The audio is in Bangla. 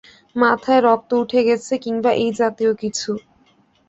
মাথায় রক্ত উঠে গেছে কিংবা এই জাতীয় কিছু।